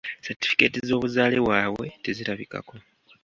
Satifikeeti z'obuzaale bwabwe tezirabikako.